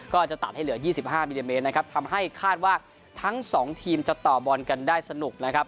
ก็จะตัดให้เหลือ๒๕มิลลิเมตรนะครับทำให้คาดว่าทั้งสองทีมจะต่อบอลกันได้สนุกนะครับ